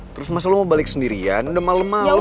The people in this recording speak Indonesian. terus masa lo mau balik sendirian udah malem mau